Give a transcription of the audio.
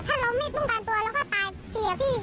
ถ้าร้มไม่ต้องการตัวแล้วก็ตายเสียพี่